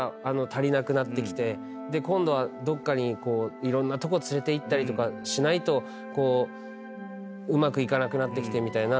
今度はどっかにいろんなとこ連れていったりとかしないとこううまくいかなくなってきてみたいな。